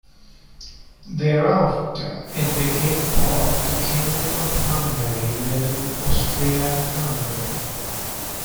Thereafter it became part of the Kingdom of Hungary within Austria-Hungary.